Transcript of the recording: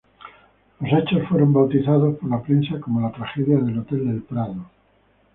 Los hechos fueron bautizados por la prensa como la tragedia del Hotel del Prado.